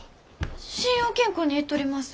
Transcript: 信用金庫に行っとります。